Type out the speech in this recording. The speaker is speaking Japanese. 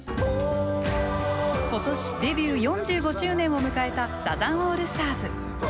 ことしデビュー４５周年を迎えたサザンオールスターズ。